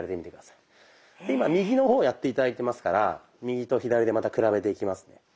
で今右の方をやって頂いてますから右と左でまた比べていきますね。